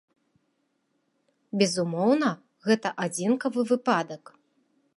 Безумоўна, гэта адзінкавы выпадак.